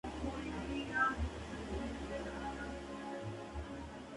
El principal representante de esta lengua es el personaje Chewbacca.